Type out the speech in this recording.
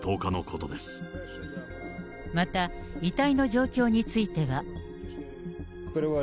また、遺体の状況については。